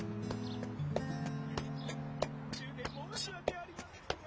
いい話の途中で申し訳ありませんが。